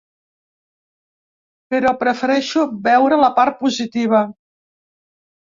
Però prefereixo veure la part positiva.